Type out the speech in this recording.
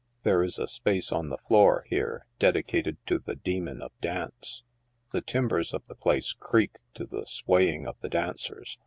There is a space on the floor, here, dedicated to the demon of dance. The timbers of the place creak to the swaying of the dancers.